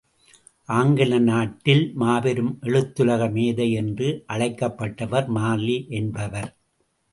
ஆங்கில நாட்டின் மாபெரும் எழுத்துலக மேதை என்று அழைக்கப்பட்டவர் மார்லி என்பவர்.